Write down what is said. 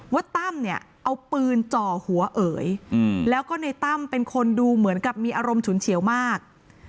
ตั้มเนี่ยเอาปืนจ่อหัวเอ๋ยแล้วก็ในตั้มเป็นคนดูเหมือนกับมีอารมณ์ฉุนเฉียวมาก